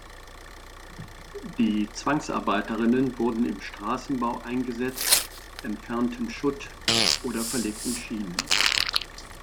Die Zwangsarbeiterinnen wurden im Straßenbau eingesetzt, entfernten Schutt oder verlegten Schienen.